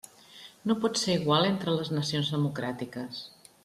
No pot ser igual entre les nacions democràtiques.